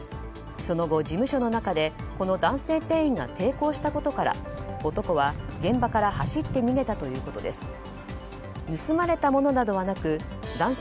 その後、事務所の中でこの男性店員が抵抗したことから男は現場から走って逃げたということです。